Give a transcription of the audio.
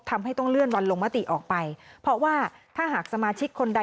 ทำให้ต้องเลื่อนวันลงมติออกไปเพราะว่าถ้าหากสมาชิกคนใด